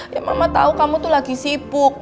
ya mama tahu kamu tuh lagi sibuk